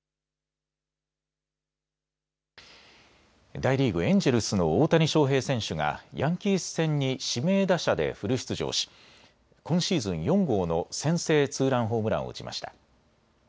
大リーグ、エンジェルスの大谷翔平選手がヤンキース戦に指名打者でフル出場し今シーズン４号の先制ツーランホームランを打ちました。